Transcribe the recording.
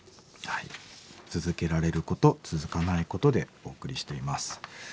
「続けられること続かないこと」でお送りしています。